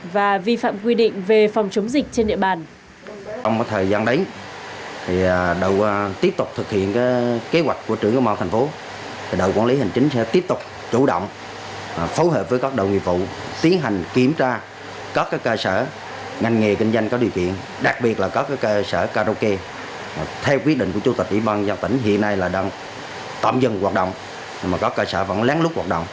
và vi phạm quy định về phòng chống dịch trên địa bàn